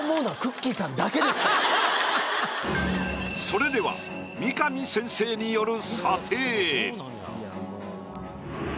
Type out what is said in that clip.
それでは三上先生による。